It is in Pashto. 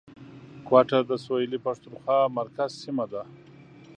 کوټه د سویلي پښتونخوا مرکز سیمه ده